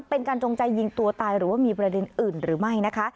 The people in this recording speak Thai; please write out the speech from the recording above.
จงใจยิงตัวตายหรือว่ามีประเด็นอื่นหรือไม่นะคะ